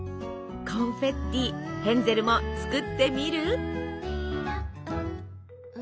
コンフェッティヘンゼルも作ってみる？